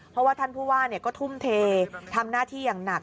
เพราะว่าท่านผู้ว่าก็ทุ่มเททำหน้าที่อย่างหนัก